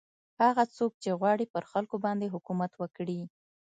هغه څوک چې غواړي پر خلکو باندې حکومت وکړي.